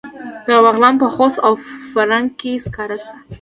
د بغلان په خوست او فرنګ کې سکاره شته.